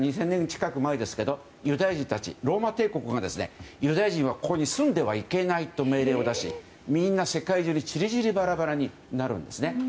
近く前ですがユダヤ人たち、ローマ帝国がユダヤ人はここに住んではいけないと命令を出し、みんな世界中に散り散りバラバラになるんです。